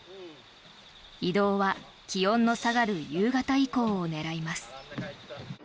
移動は気温の下がる夕方以降を狙います。